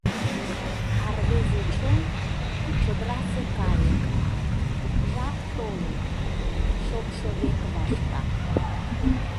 А рвезе чон, чодырасе кайык, Жап толын: шокшо век вашка.